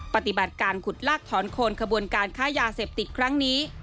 ปฏิบัติการขุดลากถอนโคนขบวนการค้ายาเสพติดครั้งนี้